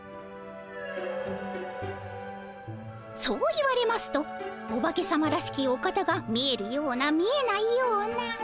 そう言われますとおばけさまらしきお方が見えるような見えないような。